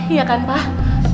iya kan pak